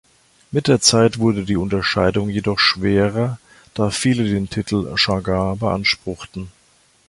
Mit der Zeit wurde die Unterscheidung jedoch schwerer, da viele den Titel Chagan beanspruchten.